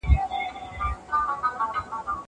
زه له سهاره لوستل کوم!!